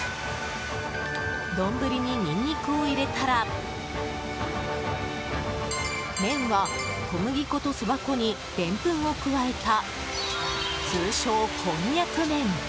丼に、ニンニクを入れたら麺は、小麦粉とそば粉にでんぷんを加えた通称、こんにゃく麺。